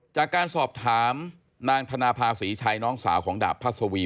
จากการสอบถามนางธนภาษีชัยน้องสาวของดาบพัสวี